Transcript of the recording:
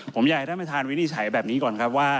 ผมอยากให้ท่านประธานวินิจฉัยแบบนี้ก่อนครับว่า